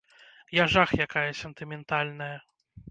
Я жах якая сентыментальная.